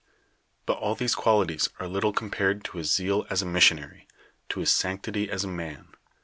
i., . But all these qualities are little compared to his zeal as a missionary, to Lis sanctity as a man.